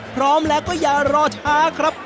พร้อมแล้วก็อย่ารอช้าครับ